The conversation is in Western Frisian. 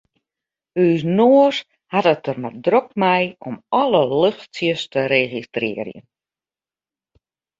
Us noas hat it der mar drok mei om alle luchtsjes te registrearjen.